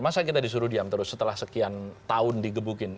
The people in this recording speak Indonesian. masa kita disuruh diam terus setelah sekian tahun digebukin